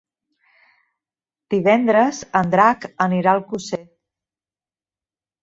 Divendres en Drac anirà a Alcosser.